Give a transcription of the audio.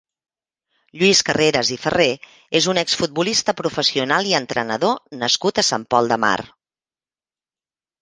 Lluís Carreras i Ferrer és un exfutbolista professional i entrenador nascut a Sant Pol de Mar.